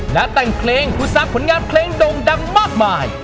นาตังค์เคลงผู้ซักผลงานเคลงดงดังมากมาย